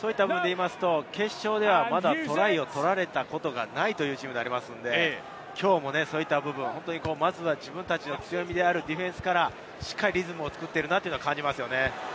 決勝ではまだトライを取られたことがないというチームですので、きょうもそういった部分、まずは自分たちの強みであるディフェンスから、しっかりリズムを作っているなと感じます。